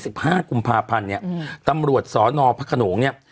สิบห้ากุมภาพันธ์เนี้ยอืมตำรวจสอนอพระขนงเนี้ย